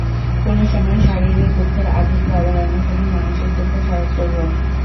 কোন সময় শারীরিক দুঃখের আধিক্য, আবার অন্য সময় মানসিক দুঃখ সহস্রগুণ।